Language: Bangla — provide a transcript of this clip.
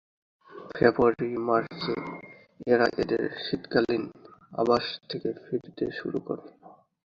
ফেব্রুয়ারি/মার্চে এরা এদের শীতকালীন আবাস থেকে ফিরতে শুরু করে।